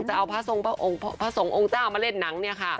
จะเอาพระทรงองค์เจ้ามาเล่นหนัง